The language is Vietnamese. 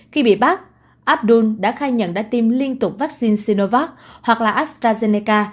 khi bị bắt abdul đã khai nhận đã tiêm liên tục vaccine sinovac hoặc astrazeneca